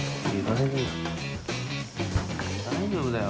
大丈夫だよ。